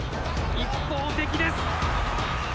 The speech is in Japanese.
一方的です。